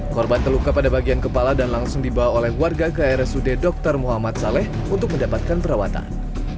korban terluka pada bagian kepala dan langsung dibawa oleh warga ke rsud dr muhammad saleh untuk mendapatkan perawatan